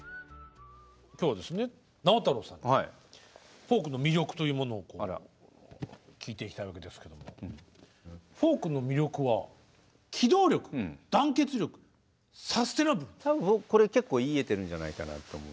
今日ですね直太朗さんにフォークの魅力というものを聞いていきたいわけですけどフォークの魅力は僕これ結構言い得てるんじゃないかなと思うんですよね。